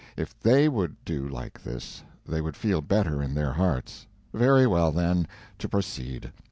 If they would do like this, they would feel better in their hearts. Very well, then—to proceed.